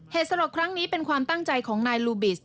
สลดครั้งนี้เป็นความตั้งใจของนายลูบิส